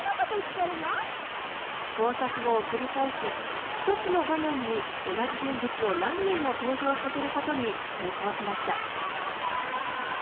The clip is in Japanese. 試行錯誤を繰り返し一つの画面に同じ人物を何人も登場させることに成功しました。